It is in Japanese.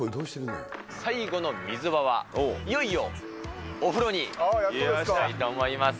最後の水場は、いよいよお風呂に行きたいと思います。